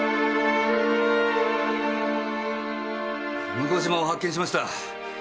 向島を発見しました。